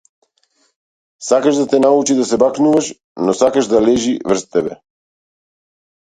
Сакаш да те научи да се бакнуваш, но сакаш да лежи врз тебе.